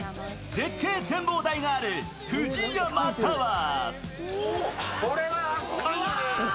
絶景展望台があるＦＵＪＩＹＡＭＡタワー。